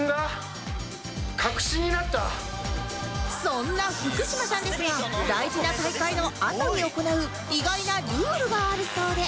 そんな福島さんですが大事な大会のあとに行う意外なルールがあるそうで